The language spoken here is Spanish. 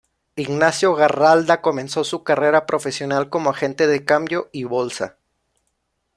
Ignacio Garralda comenzó su carrera profesional como agente de cambio y bolsa.